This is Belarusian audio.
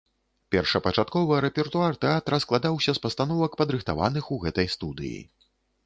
Першапачаткова рэпертуар тэатра складаўся з пастановак, падрыхтаваных у гэтай студыі.